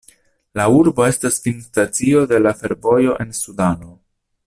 La urbo estas finstacio de la fervojo el Sudano.